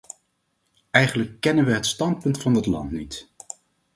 Eigenlijk kennen wij het standpunt van dat land niet.